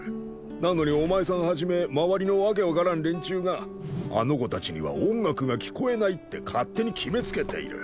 なのにお前さんはじめ周りの訳分からん連中があの子たちには音楽が聞こえないって勝手に決めつけている。